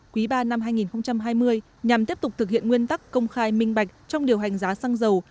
quý ba năm hai nghìn hai mươi nhằm tiếp tục thực hiện nguyên tắc công khai minh bạch trong điều hành giá xăng dầu